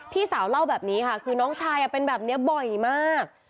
พี่สาวเล่าแบบนี้ค่ะคือน้องชายเป็นแบบนี้บ่อยมาก